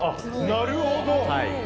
なるほど！